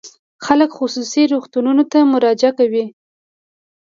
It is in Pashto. خلک خصوصي روغتونونو ته مراجعه کوي.